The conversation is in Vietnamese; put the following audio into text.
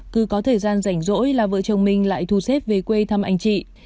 cứ có thời gian rảnh rỗi là vợ chồng mình lại thu xếp về quê thăm anh chị